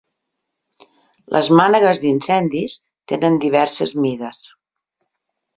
Les mànegues d'incendis tenen diverses mides.